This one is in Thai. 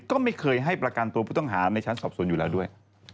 ก็ไม่เคยให้ประกันตัวผู้ต้องหาในชั้นสอบสวนอยู่แล้วด้วย